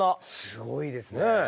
すごいですね。